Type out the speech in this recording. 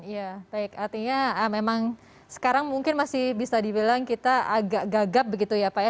ya baik artinya memang sekarang mungkin masih bisa dibilang kita agak gagap begitu ya pak ya